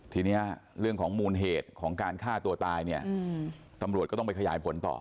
ทีนี้เรื่องของมูลเหตุของการฆ่าตัวตายเนี่ยตำรวจก็ต้องไปขยายผลต่อ